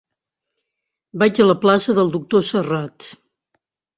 Vaig a la plaça del Doctor Serrat.